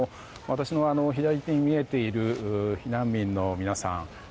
私の左手に見えている避難民の皆さん